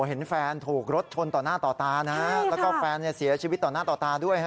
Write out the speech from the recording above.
เห็นแฟนถูกรถชนต่อหน้าต่อตานะแล้วก็แฟนเสียชีวิตต่อหน้าต่อตาด้วย